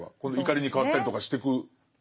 怒りに変わったりとかしてく。